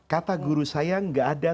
kata guru saya gak ada